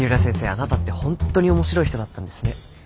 あなたって本当に面白い人だったんですね。